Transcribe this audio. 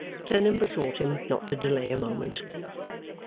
Clennam besought him not to delay a moment.